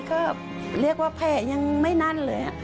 ก็เรียกว่าแผลยังไม่นั่นเลย